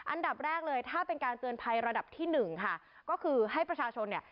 อันดับแรกเลยถ้าเป็นการเตือนภัยระดับที่หนึ่งค่ะก็คือให้ประชาชนเนี่ย